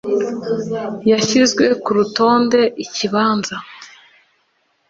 yashyizwe ku rutonde: "ikibanza".